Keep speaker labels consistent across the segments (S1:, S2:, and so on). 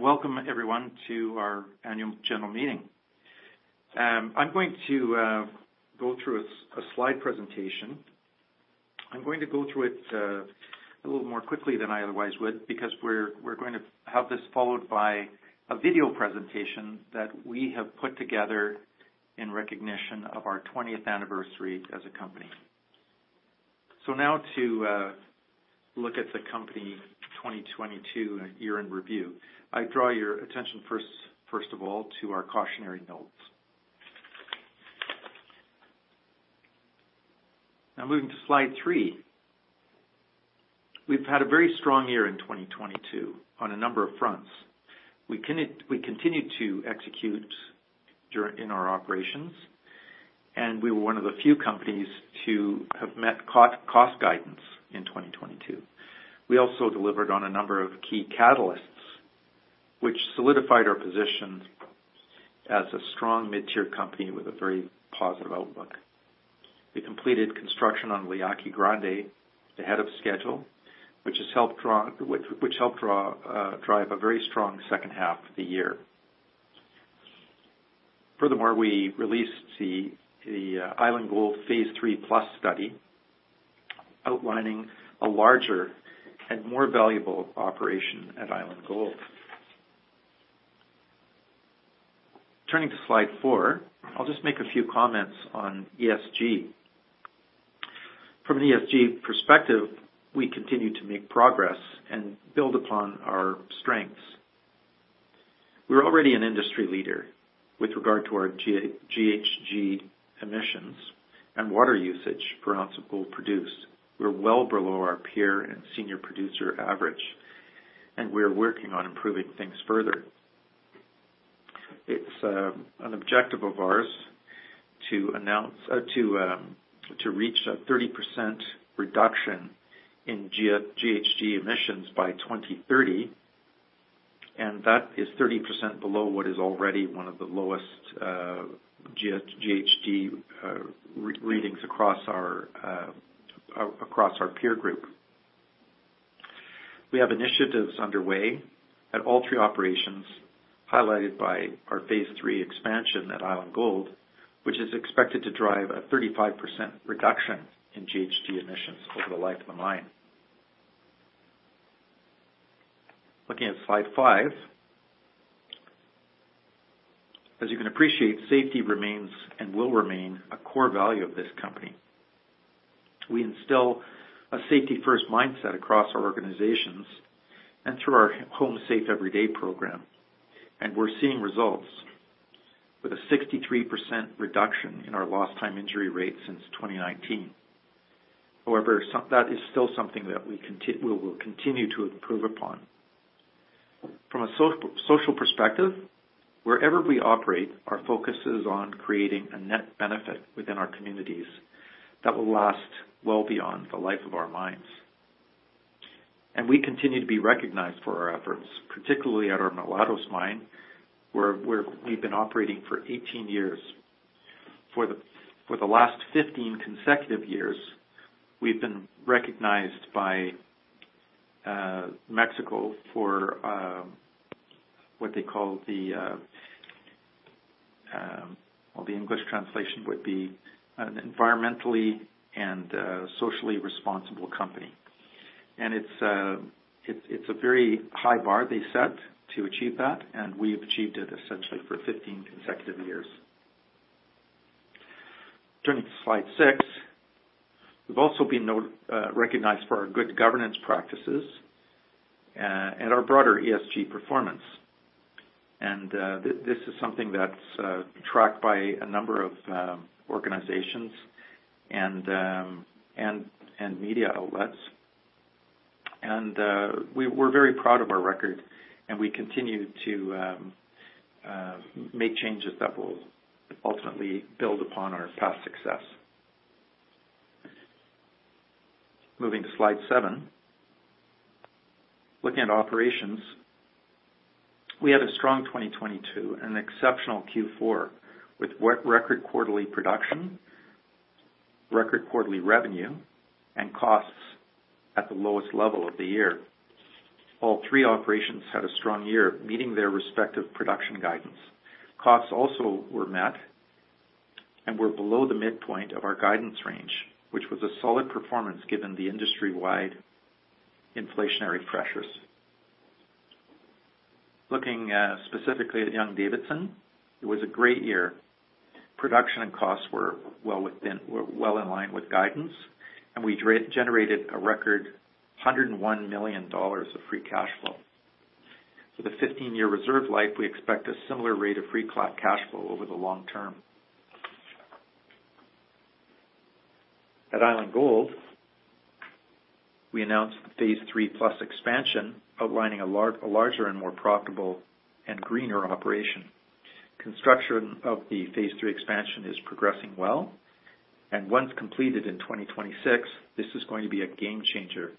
S1: Welcome everyone to our annual general meeting. I'm going to go through a slide presentation. I'm going to go through it a little more quickly than I otherwise would, because we're going to have this followed by a video presentation that we have put together in recognition of our 20th anniversary as a company. Now to look at the company 2022 year in review. I draw your attention first of all to our cautionary notes. Moving to Slide 3. We've had a very strong year in 2022 on a number of fronts. We continued to execute in our operations, and we were one of the few companies to have met cost guidance in 2022. We also delivered on a number of key catalysts, which solidified our position as a strong mid-tier company with a very positive outlook. We completed construction on La Yaqui Grande ahead of schedule, which helped drive a very strong second half of the year. Furthermore, we released the Island Gold Phase Three Plus study, outlining a larger and more valuable operation at Island Gold. Turning to Slide 4, I'll just make a few comments on ESG. From an ESG perspective, we continued to make progress and build upon our strengths. We're already an industry leader with regard to our GHG emissions and water usage per ounce of gold produced. We're well below our peer and senior producer average, and we're working on improving things further. It's an objective of ours to announce, to reach a 30% reduction in GHG emissions by 2030, and that is 30% below what is already one of the lowest GHG readings across our peer group. We have initiatives underway at all three operations, highlighted by our Phase III Expansion at Island Gold, which is expected to drive a 35% reduction in GHG emissions over the life of the mine. Looking at Slide 5. As you can appreciate, safety remains and will remain a core value of this company. We instill a safety-first mindset across our organizations and through our Home Safe Every Day program, and we're seeing results, with a 63% reduction in our lost time injury rate since 2019. However, some... That is still something that we will continue to improve upon. From a social perspective, wherever we operate, our focus is on creating a net benefit within our communities that will last well beyond the life of our mines. We continue to be recognized for our efforts, particularly at our Mulatos mine, where we've been operating for 18 years. For the last 15 consecutive years, we've been recognized by Mexico for what they call the... Well, the English translation would be an environmentally and socially responsible company. It's a very high bar they set to achieve that, and we've achieved it essentially for 15 consecutive years. Turning to Slide 6. We've also been recognized for our good governance practices and our broader ESG performance. This is something that's tracked by a number of organizations and media outlets. We're very proud of our record, and we continue to make changes that will ultimately build upon our past success. Moving to Slide 7. Looking at operations, we had a strong 2022 and an exceptional Q4 with record quarterly production, record quarterly revenue, and costs at the lowest level of the year. All 3 operations had a strong year, meeting their respective production guidance. Costs also were met and were below the midpoint of our guidance range, which was a solid performance given the industry-wide inflationary pressures. Looking specifically at Young-Davidson, it was a great year. Production and costs were well in line with guidance, we generated a record $101 million of free cash flow. For the 15-year reserve life, we expect a similar rate of free cash flow over the long term. At Island Gold, we announced the Phase Three Plus Expansion, outlining a larger and more profitable and greener operation. Construction of the Phase Three Expansion is progressing well, and once completed in 2026, this is going to be a game changer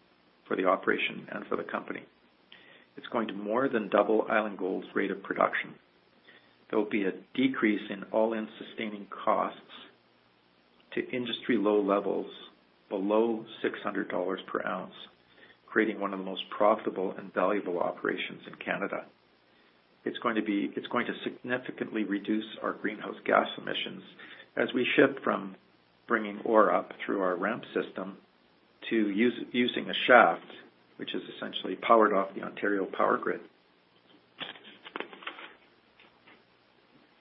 S1: for the operation and for the company. It's going to more than double Island Gold's rate of production. There will be a decrease in All-in Sustaining Costs to industry low levels below $600 per ounce, creating one of the most profitable and valuable operations in Canada. It's going to significantly reduce our Greenhouse gas emissions as we shift from bringing ore up through our ramp system to using a shaft, which is essentially powered off the Ontario power grid.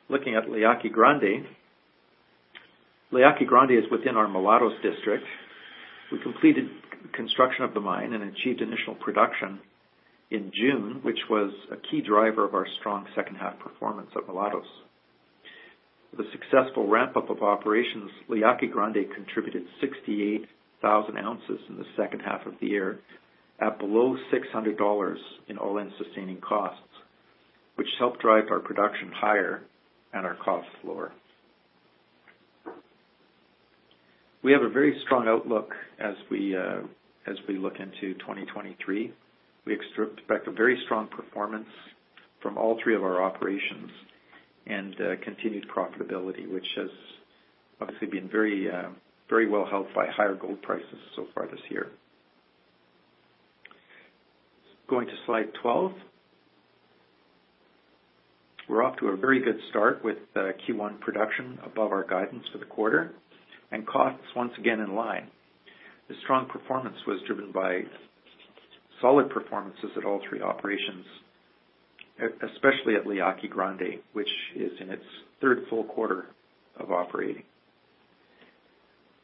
S1: Looking at La Yaqui Grande. La Yaqui Grande is within our Mulatos District. We completed construction of the mine and achieved initial production in June, which was a key driver of our strong second half performance at Mulatos. The successful ramp-up of operations, La Yaqui Grande, contributed 68,000 ounces in the second half of the year at below $600 in All-in Sustaining Costs, which helped drive our production higher and our costs lower. We have a very strong outlook as we look into 2023. We expect a very strong performance from all three of our operations and continued profitability, which has obviously been very, very well helped by higher gold prices so far this year. Going to Slide 12. We're off to a very good start with Q1 production above our guidance for the quarter and costs once again in line. The strong performance was driven by solid performances at all three operations, especially at La Yaqui Grande, which is in its third full quarter of operating.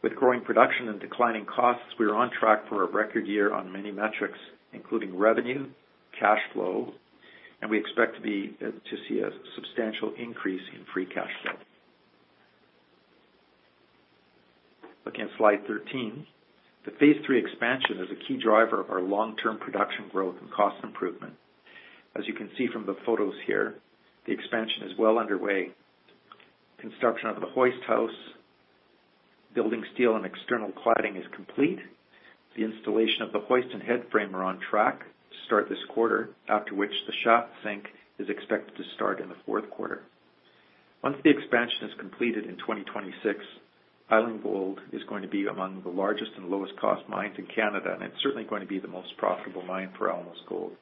S1: With growing production and declining costs, we are on track for a record year on many metrics, including revenue, cash flow, and we expect to see a substantial increase in free cash flow. Looking at Slide 13. The phase III+ Expansion is a key driver of our long-term production growth and cost improvement. As you can see from the photos here, the expansion is well underway. Construction of the hoist house, building steel and external cladding is complete. The installation of the hoist and headframe are on track to start this quarter, after which the shaft sink is expected to start in the fourth quarter. Once the expansion is completed in 2026, Island Gold is going to be among the largest and lowest cost mines in Canada, and it's certainly going to be the most profitable mine for Alamos Gold.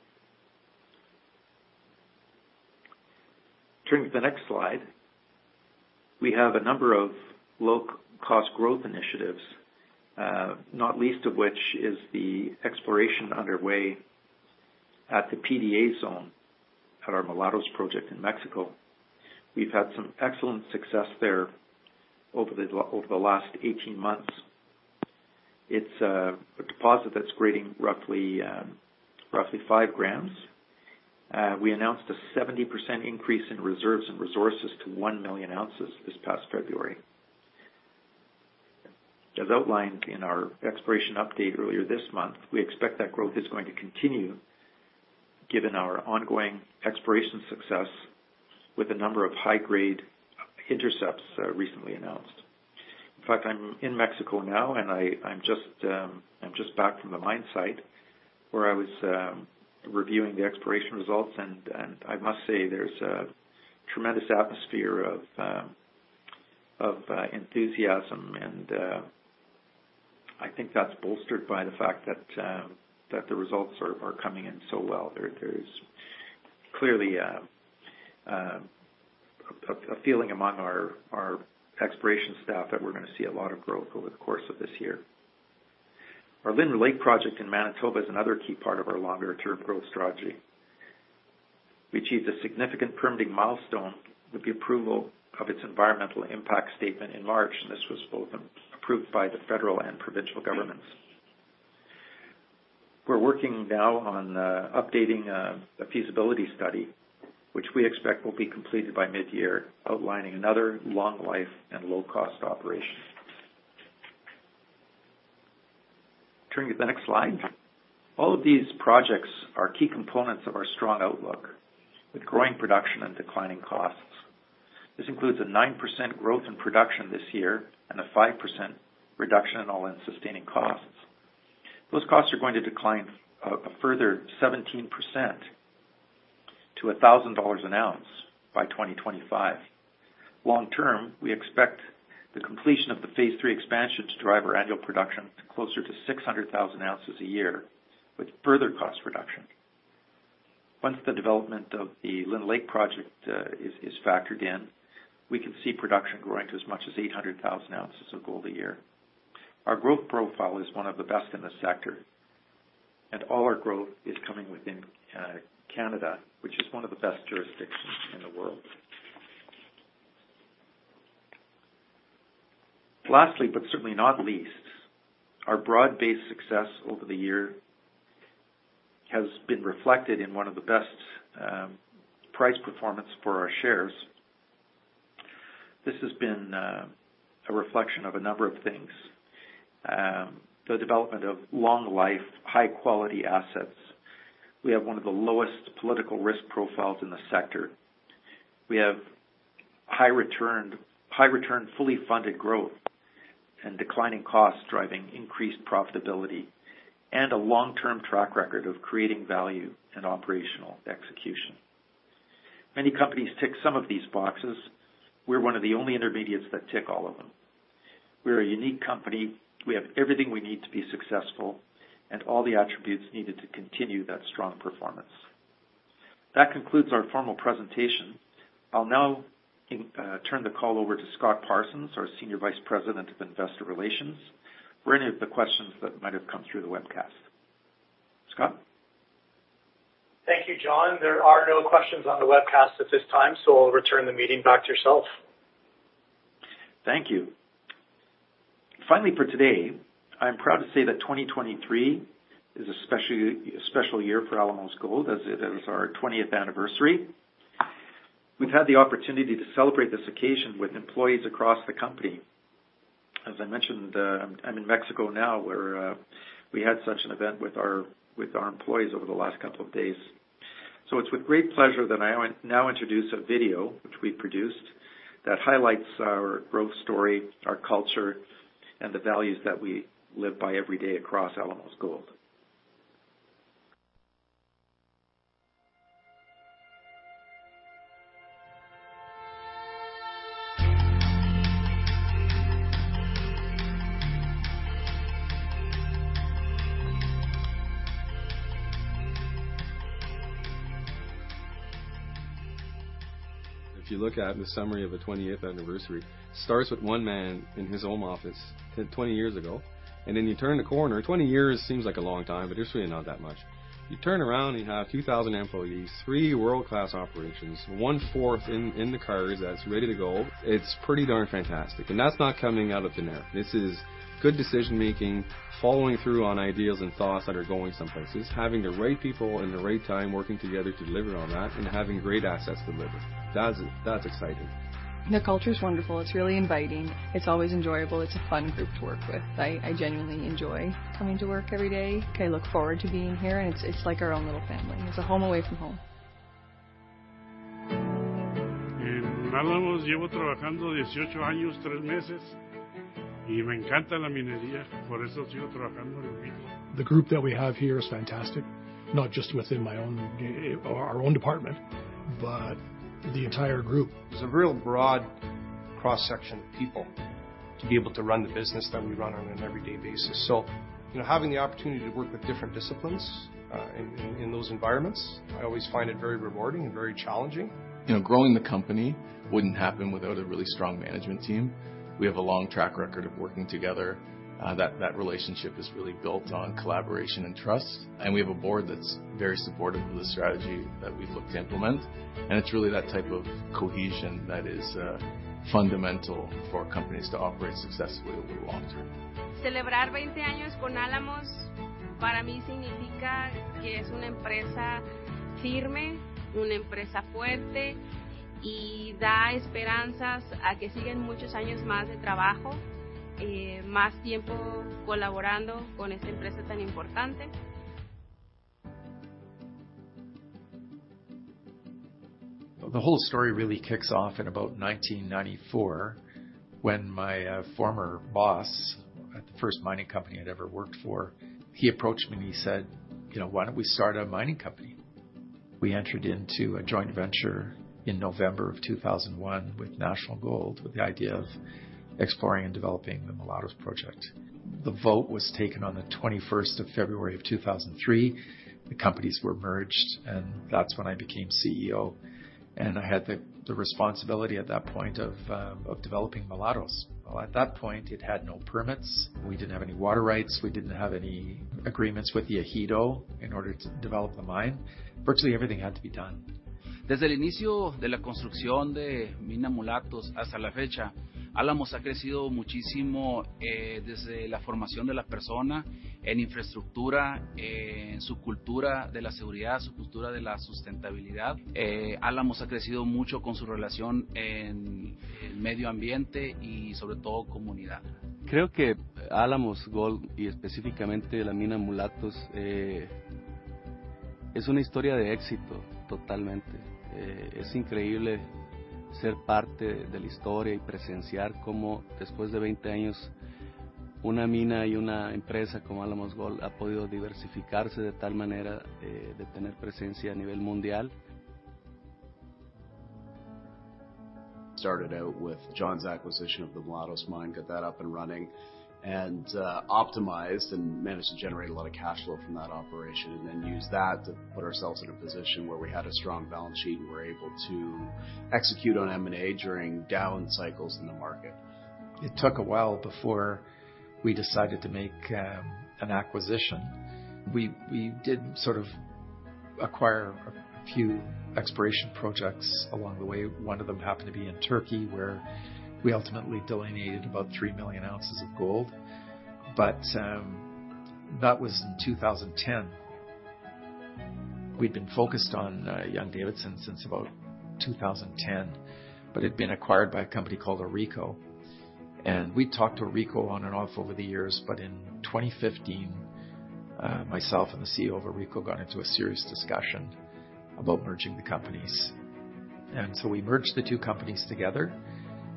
S1: Turning to the next slide, we have a number of low-cost growth initiatives, not least of which is the exploration underway at the PDA zone at our Mulatos project in Mexico. We've had some excellent success there over the last 18 months. It's a deposit that's grading roughly 5 grams. We announced a 70% increase in reserves and resources to 1 million ounces this past February. As outlined in our exploration update earlier this month, we expect that growth is going to continue, given our ongoing exploration success with a number of high-grade intercepts recently announced. In fact, I'm in Mexico now, and I'm just back from the mine site, where I was reviewing the exploration results, and I must say there's a tremendous atmosphere of enthusiasm. I think that's bolstered by the fact that the results sort of are coming in so well. There's clearly a feeling among our exploration staff that we're going to see a lot of growth over the course of this year. Our Lynn Lake project in Manitoba is another key part of our longer-term growth strategy. We achieved a significant permitting milestone with the approval of its environmental impact statement in March, this was both approved by the federal and provincial governments. We're working now on updating a feasibility study, which we expect will be completed by mid-year, outlining another long life and low-cost operation. Turning to the next slide. All of these projects are key components of our strong outlook, with growing production and declining costs. This includes a 9% growth in production this year and a 5% reduction in All-in Sustaining Costs. Those costs are going to decline a further 17% to $1,000 an ounce by 2025. Long term, we expect the completion of the phase III Expansion to drive our annual production to closer to 600,000 ounces a year, with further cost reduction. Once the development of the Lynn Lake Project is factored in, we can see production growing to as much as 800,000 ounces of gold a year. Our growth profile is one of the best in the sector. All our growth is coming within Canada, which is one of the best jurisdictions in the world. Lastly, certainly not least, our broad-based success over the year has been reflected in one of the best price performance for our shares. This has been a reflection of a number of things. The development of long life, high-quality assets. We have one of the lowest political risk profiles in the sector. We have high return, fully funded growth and declining costs, driving increased profitability, and a long-term track record of creating value and operational execution.
S2: Many companies tick some of these boxes. We're one of the only intermediates that tick all of them. We're a unique company, we have everything we need to be successful, and all the attributes needed to continue that strong performance. That concludes our formal presentation. I'll now in, turn the call over to Scott Parsons, our Senior Vice President of Investor Relations, for any of the questions that might have come through the webcast. Scott?
S1: Thank you, John. There are no questions on the webcast at this time, so I'll return the meeting back to yourself.
S2: Thank you. Finally, for today, I'm proud to say that 2023 is a special year for Alamos Gold, as it is our 20th anniversary. We've had the opportunity to celebrate this occasion with employees across the company. As I mentioned, I'm in Mexico now, where we had such an event with our employees over the last couple of days. It's with great pleasure that I now introduce a video, which we produced, that highlights our growth story, our culture, and the values that we live by every day across Alamos Gold.
S3: If you look at the summary of the 20th anniversary, starts with one man in his home office 20 years ago, you turn the corner. 20 years seems like a long time, it's really not that much. You turn around you have 2,000 employees, 3 world-class operations, one-fourth in the cards that's ready to go. It's pretty darn fantastic, that's not coming out of thin air. This is good decision making, following through on ideas and thoughts that are going some places, having the right people in the right time, working together to deliver on that, having great assets to deliver. That's exciting. The culture is wonderful. It's really inviting. It's always enjoyable. It's a fun group to work with. I genuinely enjoy coming to work every day. I look forward to being here, and it's like our own little family. It's a home away from home. En Alamos llevo trabajando 18 años, tres meses, y me encanta la minería, por eso sigo trabajando lo mismo. The group that we have here is fantastic, not just within my own our own department, but the entire group. There's a real broad cross-section of people to be able to run the business that we run on an everyday basis. Having the opportunity to work with different disciplines, in those environments, I always find it very rewarding and very challenging. You know, growing the company wouldn't happen without a really strong management team. We have a long track record of working together, that relationship is really built on collaboration and trust. We have a board that's very supportive of the strategy that we've looked to implement. It's really that type of cohesion that is fundamental for companies to operate successfully over long term. Celebrar veinte años con Alamos para mí significa que es una empresa firme, una empresa fuerte, y da esperanzas a que siguen muchos años más de trabajo, más tiempo colaborando con esta empresa tan importante.
S2: The whole story really kicks off in about 1994, when my former boss at the first mining company I'd ever worked for, he approached me and he said, "You know, why don't we start a mining company?" We entered into a joint venture in November of 2001 with National Gold, with the idea of exploring and developing the Mulatos project. The vote was taken on the 21st of February of 2003. The companies were merged, and that's when I became CEO, and I had the responsibility at that point of developing Mulatos. Well, at that point, it had no permits. We didn't have any water rights. We didn't have any agreements with the Ejido in order to develop the mine. Virtually everything had to be done.
S1: Desde el inicio de la construcción de Mina Mulatos, hasta la fecha, Alamos ha crecido muchísimo, desde la formación de las personas en infraestructura, en su cultura de la seguridad, su cultura de la sustentabilidad. Alamos ha crecido mucho con su relación en el medio ambiente y sobre todo, comunidad.
S3: Creo que Alamos Gold y específicamente la Mina Mulatos, es una historia de éxito, totalmente. Es increíble ser parte de la historia y presenciar cómo después de 20 años, una mina y una empresa como Alamos Gold, ha podido diversificarse de tal manera, de tener presencia a nivel mundial. Started out with John's acquisition of the Mulatos mine, got that up and running, optimized and managed to generate a lot of cash flow from that operation, then used that to put ourselves in a position where we had a strong balance sheet and were able to execute on M&A during down cycles in the market.
S2: It took a while before we decided to make an acquisition. We did sort of acquire a few exploration projects along the way. One of them happened to be in Turkey, where we ultimately delineated about 3 million ounces of gold. That was in 2010. We'd been focused on Young-Davidson since about 2010, but it had been acquired by a company called AuRico Gold. We talked to AuRico Gold on and off over the years, but in 2015, myself and the CEO of AuRico Gold got into a serious discussion about merging the companies. We merged the two companies together,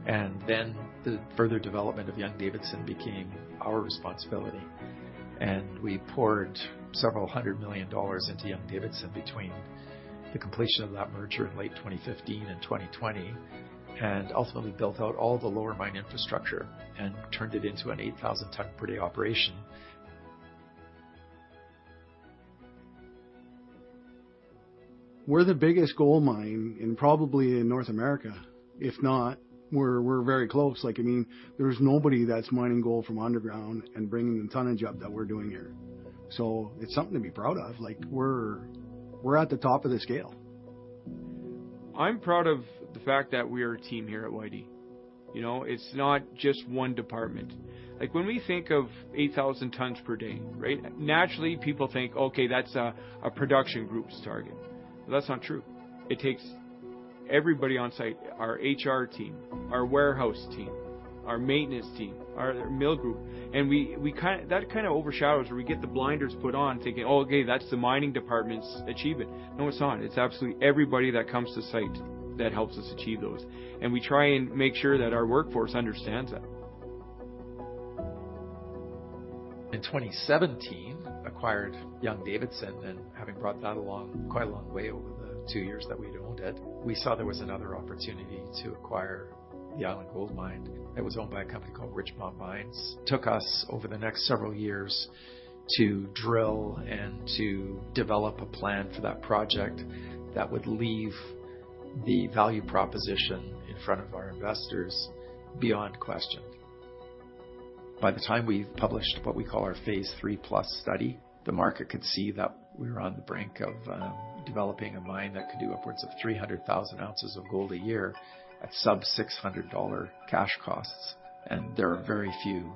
S2: and then the further development of Young-Davidson became our responsibility. We poured several $100 million into Young-Davidson between the completion of that merger in late 2015 and 2020, and ultimately built out all the lower mine infrastructure and turned it into an 8,000 ton per day operation.
S3: We're the biggest gold mine in probably in North America. If not, we're very close. Like, I mean, there's nobody that's mining gold from underground and bringing the tonnage up that we're doing here. It's something to be proud of. Like, we're at the top of the scale. I'm proud of the fact that we are a team here at YD. You know, it's not just one department. Like, when we think of 8,000 tons per day, right? Naturally, people think, "Okay, that's a production group's target." That's not true. It takes everybody on site, our HR team, our warehouse team, our maintenance team, our mill group, and that kind of overshadows, or we get the blinders put on, thinking, "Oh, okay, that's the mining department's achievement." No, it's not. It's absolutely everybody that comes to site that helps us achieve those. We try and make sure that our workforce understands that.
S2: In 2017, having brought that along quite a long way over the 2 years that we'd owned it, we saw there was another opportunity to acquire the Island Gold mine that was owned by a company called Richmont Mines. Took us over the next several years to drill and to develop a plan for that project that would leave the value proposition in front of our investors beyond question. By the time we published what we call our phase III+ study, the market could see that we were on the brink of developing a mine that could do upwards of 300,000 ounces of gold a year at sub $600 cash costs. There are very few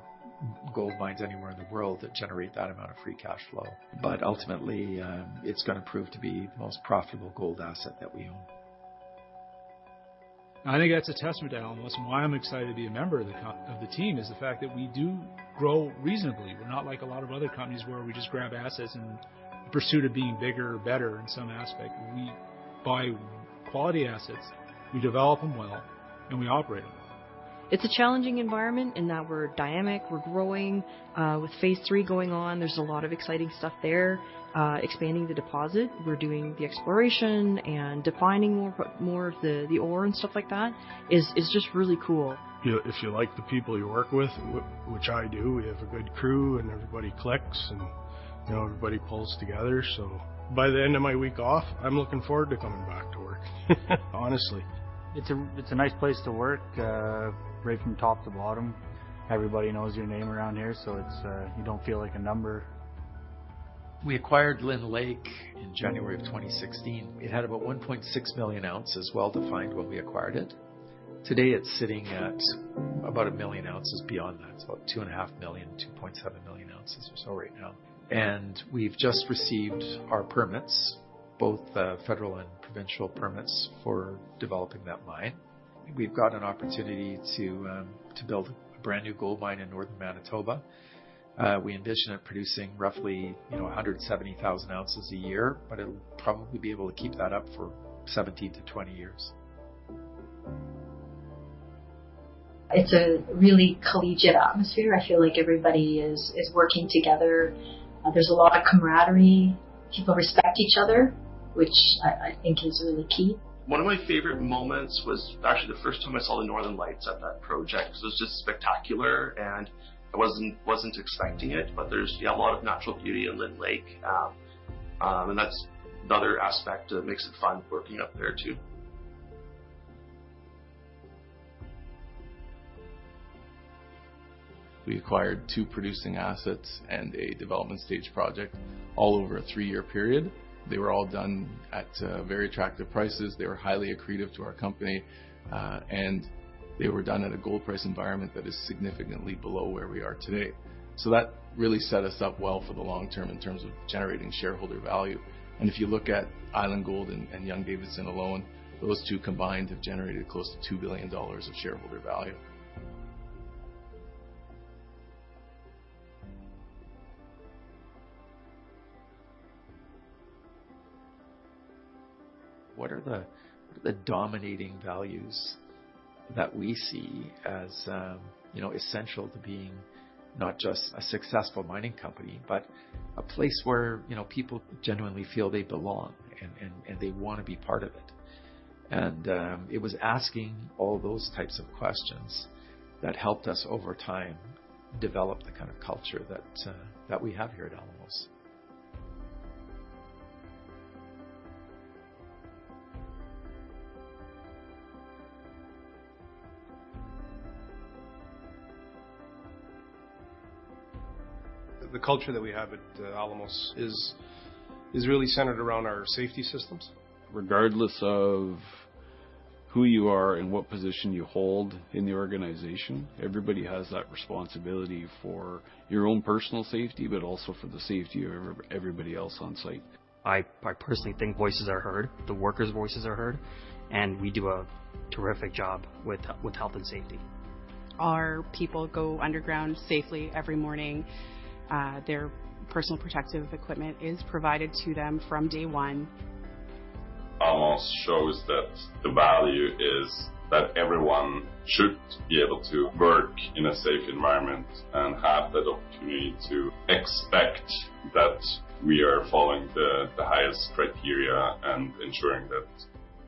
S2: gold mines anywhere in the world that generate that amount of free cash flow. ultimately, it's gonna prove to be the most profitable gold asset that we own.
S3: I think that's a testament to Alamos. Why I'm excited to be a member of the team, is the fact that we do grow reasonably. We're not like a lot of other companies where we just grab assets in pursuit of being bigger or better in some aspect. We buy quality assets, we develop them well, and we operate them well. It's a challenging environment in that we're dynamic, we're growing. With phase III going on, there's a lot of exciting stuff there. Expanding the deposit, we're doing the exploration and defining more of the ore and stuff like that is just really cool. Yeah, if you like the people you work with, which I do, we have a good crew, and everybody clicks, and, you know, everybody pulls together. By the end of my week off, I'm looking forward to coming back to work. Honestly. It's a nice place to work, right from top to bottom. Everybody knows your name around here, so you don't feel like a number.
S2: We acquired Lynn Lake in January 2016. We had about 1.6 million ounces well defined when we acquired it. Today, it's sitting at about 1 million ounces beyond that. It's about 2.5 million, 2.7 million ounces or so right now. We've just received our permits, both the federal and provincial permits, for developing that mine. We've got an opportunity to build a brand-new gold mine in northern Manitoba. We envision it producing roughly 170,000 ounces a year, but it'll probably be able to keep that up for 17-20 years.
S3: It's a really collegiate atmosphere. I feel like everybody is working together. There's a lot of camaraderie. People respect each other, which I think is really key. One of my favorite moments was actually the first time I saw the northern lights at that project. It was just spectacular, and I wasn't expecting it, but there's a lot of natural beauty in Lynn Lake, and that's another aspect that makes it fun working up there, too. We acquired 2 producing assets and a development stage project all over a 3-year period. They were all done at very attractive prices. They were highly accretive to our company, and they were done at a gold price environment that is significantly below where we are today. That really set us up well for the long term in terms of generating shareholder value. If you look at Island Gold and Young-Davidson alone, those 2 combined have generated close to $2 billion of shareholder value.
S2: What are the dominating values that we see as, you know, essential to being not just a successful mining company, but a place where, you know, people genuinely feel they belong, and they want to be part of it? It was asking all those types of questions that helped us, over time, develop the kind of culture that we have here at Alamos.
S3: The culture that we have at Alamos is really centered around our safety systems. Regardless of who you are and what position you hold in the organization, everybody has that responsibility for your own personal safety, but also for the safety of everybody else on site. I personally think voices are heard, the workers' voices are heard, and we do a terrific job with health and safety. Our people go underground safely every morning. Their personal protective equipment is provided to them from day one. Alamos shows that the value is that everyone should be able to work in a safe environment and have that opportunity to expect that we are following the highest criteria and ensuring that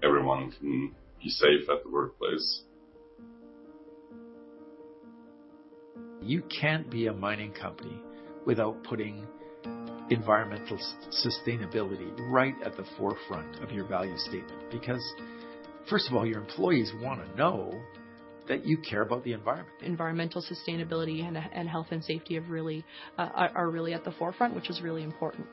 S3: everyone can be safe at the workplace.
S2: You can't be a mining company without putting environmental sustainability right at the forefront of your value statement, because first of all, your employees wanna know that you care about the environment.
S3: Environmental sustainability and health and safety are really at the forefront, which is really important.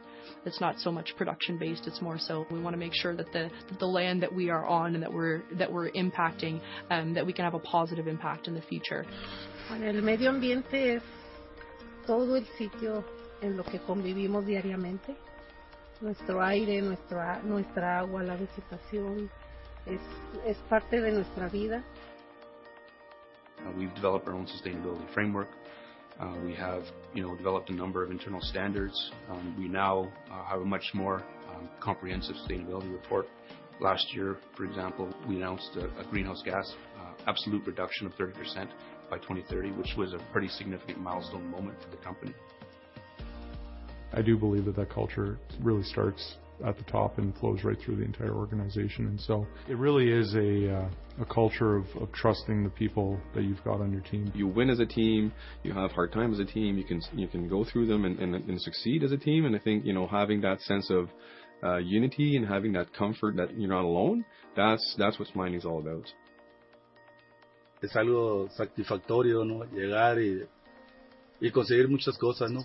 S3: It's not so much production-based, it's more so we wanna make sure that the land that we are on and that we're impacting, that we can have a positive impact in the future. El medio ambiente es todo el sitio en lo que convivimos diariamente. Nuestro aire, nuestra nuestra agua, la vegetación. Es parte de nuestra vida. We've developed our own Sustainability Framework. We have, you know, developed a number of internal standards. We now have a much more comprehensive sustainability report. Last year, for example, we announced a greenhouse gas absolute reduction of 30% by 2030, which was a pretty significant milestone moment for the company. I do believe that that culture really starts at the top and flows right through the entire organization, and so it really is a culture of trusting the people that you've got on your team. You win as a team, you have hard time as a team, you can go through them and succeed as a team. I think, you know, having that sense of unity and having that comfort that you're not alone, that's what mining is all about. Es algo satisfactorio, ¿no? Llegar y conseguir muchas cosas, ¿no?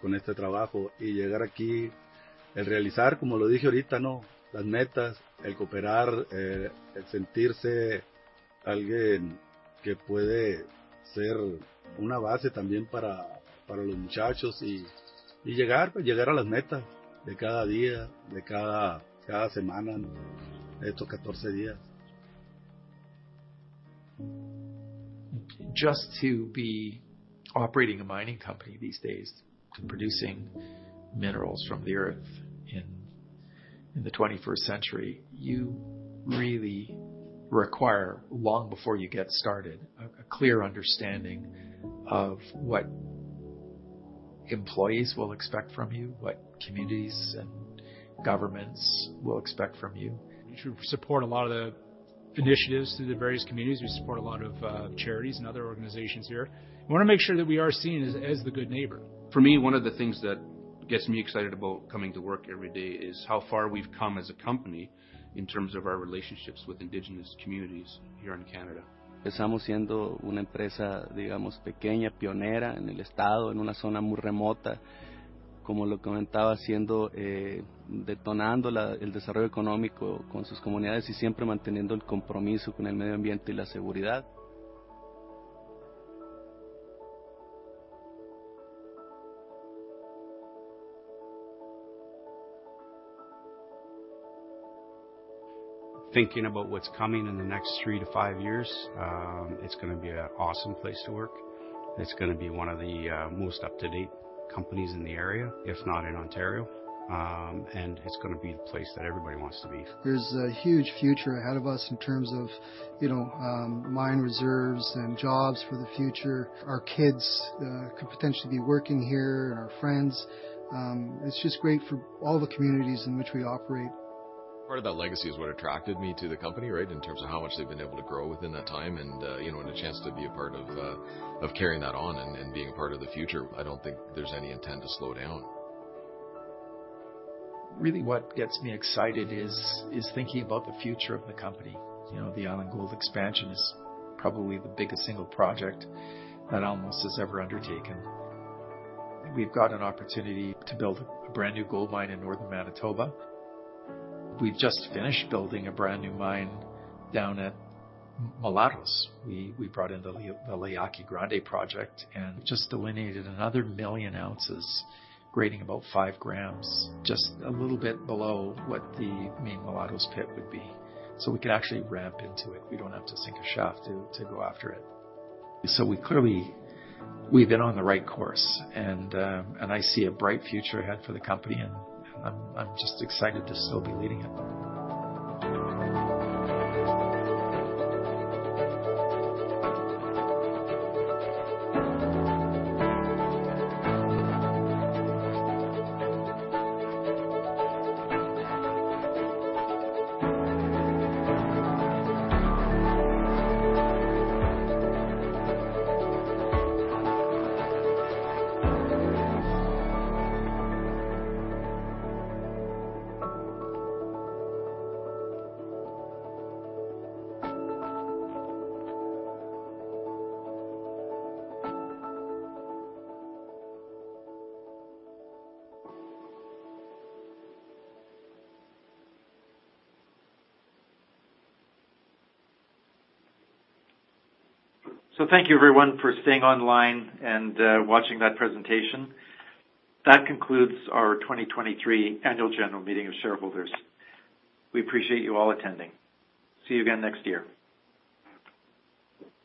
S3: Con este trabajo. Y llegar aquí, el realizar, como lo dije ahorita, ¿no?, las metas, el cooperar, el sentirse alguien que puede ser una base también para los muchachos y llegar, pues, llegar a las metas de cada día, de cada semana, ¿no? Estos 14 días.
S2: Just to be operating a mining company these days and producing minerals from the earth in the 21st century, you really require, long before you get started, a clear understanding of what employees will expect from you, what communities and governments will expect from you.
S3: We support a lot of the initiatives through the various communities. We support a lot of charities and other organizations here. We wanna make sure that we are seen as the good neighbor. For me, one of the things that gets me excited about coming to work every day is how far we've come as a company in terms of our relationships with indigenous communities here in Canada. Empezamos siendo una empresa, digamos, pequeña, pionera en el estado, en una zona muy remota, como lo comentaba, siendo, detonando el desarrollo económico con sus comunidades y siempre manteniendo el compromiso con el medio ambiente y la seguridad. Thinking about what's coming in the next 3-5 years, it's going to be an awesome place to work. It's going to be one of the most up-to-date companies in the area, if not in Ontario. It's going to be the place that everybody wants to be. There's a huge future ahead of us in terms of, you know, mine reserves and jobs for the future. Our kids could potentially be working here, and our friends. It's just great for all the communities in which we operate. Part of that legacy is what attracted me to the company, right? In terms of how much they've been able to grow within that time and, you know, the chance to be a part of carrying that on and being a part of the future. I don't think there's any intent to slow down.
S2: Really, what gets me excited is thinking about the future of the company. You know, the Island Gold expansion is probably the biggest single project that Alamos has ever undertaken. We've got an opportunity to build a brand-new gold mine in northern Manitoba. We've just finished building a brand-new mine down at Mulatos. We brought in the La Yaqui Grande project and just delineated another 1 million ounces, grading about 5 grams, just a little bit below what the main Mulatos pit would be. We could actually ramp into it. We don't have to sink a shaft to go after it. We clearly... We've been on the right course, and I see a bright future ahead for the company, and I'm just excited to still be leading it.
S1: Thank you everyone for staying online and watching that presentation. That concludes our 2023 annual general meeting of shareholders. We appreciate you all attending. See you again next year.